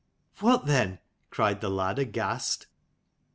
1 "What then?" cried the lad, aghast.